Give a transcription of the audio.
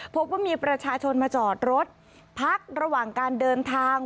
พบว่ามีประชาชนมาจอดรถพักระหว่างการเดินทาง